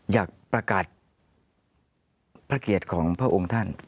อยากประกาศพระเกียรติของพระองค์ท่าน